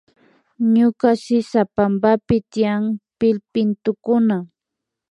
Ñuka sisapampapi tiyan pillpintukuna